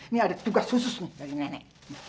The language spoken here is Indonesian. nih ada tugas khusus dari nenek